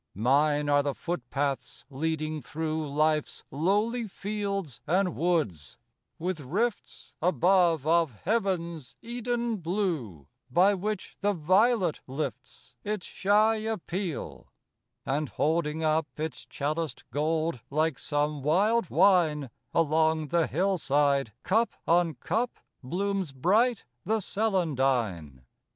_ _Mine are the footpaths leading through Life's lowly fields and woods, with rifts, Above, of heaven's Eden blue, By which the violet lifts_ _Its shy appeal; and, holding up Its chaliced gold, like some wild wine, Along the hillside, cup on cup, Blooms bright the celandine.